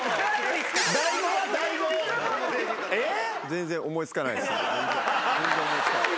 全然思いつかない。